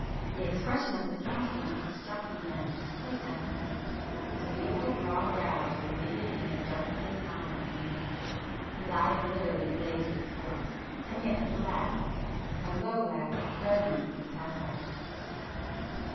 The expression of his countenance struck me then as quite unearthly,—his beautiful broad brows were knitted in a darkling line of menace,—his eyes literally blazed with scorn, and yet he laughed,—a low laugh, resonant with satire.